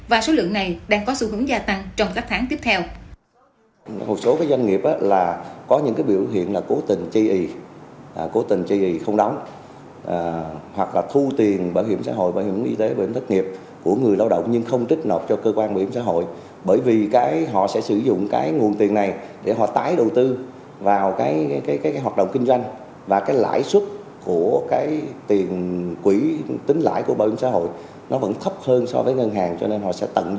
và số lượng này đang có sự hưởng gia tăng trong các tháng tiếp theo